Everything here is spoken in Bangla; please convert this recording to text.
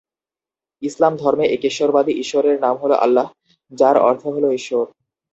ইসলাম ধর্মে একেশ্বরবাদী ঈশ্বরের নাম হল আল্লাহ, যার অর্থ হল ঈশ্বর।